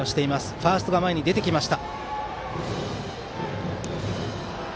ファーストが前に出てきました。